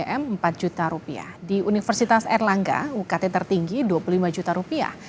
m empat juta rupiah di universitas erlangga ukt tertinggi dua puluh lima juta rupiah